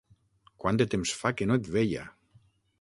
Quant de temps fa que no et veia!